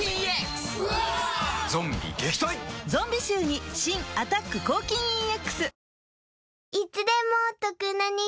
ゾンビ臭に新「アタック抗菌ＥＸ」